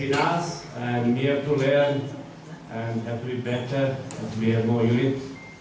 saya rasa ada kemisi yang lebih baik dalam kita dan kita harus belajar dan harus lebih baik